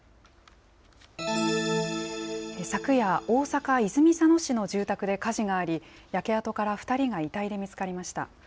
昨夜、大阪・泉佐野市の住宅で火事があり、焼け跡から２人が遺体で見つかりました。